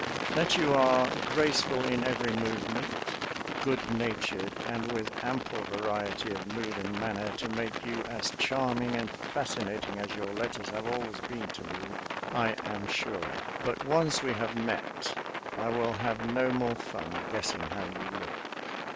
That you are graceful in every movement, good natured and with ample variety of mood and manner to make you as charming and fascinating as your letters have always been to me, I am sure. But once we have met, I will have no more fun guessing how you look.